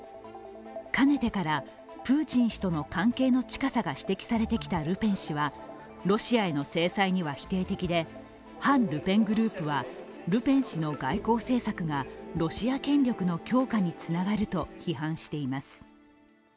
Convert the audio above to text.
けねてからプーチン氏との関係の近さが指摘されてきたルペン氏はロシアへの制裁には否定的で反ルペングループはルペン氏の外交政策がロシア権力の強化につながると批判しています。